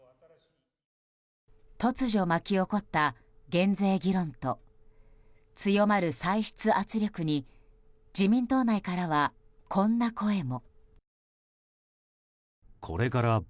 突如、巻き起こった減税議論と強まる歳出圧力に自民党内からは、こんな声も。